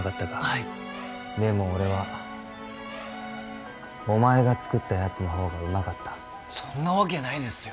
はいでも俺はお前が作ったやつのほうがうまかったそんなわけないですよ